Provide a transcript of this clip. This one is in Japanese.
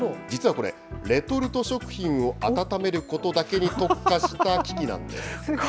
実はこれ、レトルト食品を温めることだけに特化した機器なんです。